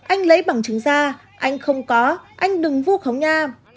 tiếp bằng chứng ra anh không có anh đừng vu khống nha